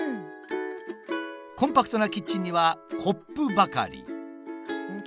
コンパクトなキッチンにはコップばかり。